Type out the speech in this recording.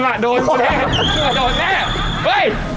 เมื่อโดนแน่เมื่อโดนแน่เฮ้ย